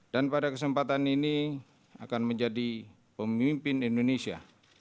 dan pada kesempatan ini akan menjadi pemimpin indonesia